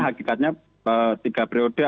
hakikatnya tiga periode